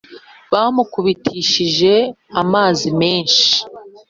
Bamukubitishije amazi menshi